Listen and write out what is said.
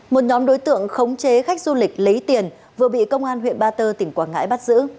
một nhóm đối tượng khống chế khách du lịch lấy tiền vừa bị công an huyện ba tơ tỉnh quảng ngãi bắt giữ